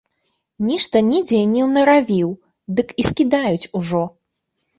Нешта недзе не ўнаравіў, дык і скідаюць ужо.